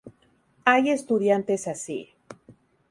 Hay estudiantes así.